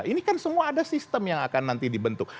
ini kan semua ada sistem yang akan nanti dibentuk